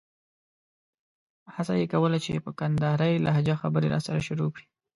هڅه یې کوله چې په کندارۍ لهجه خبرې راسره شروع کړي.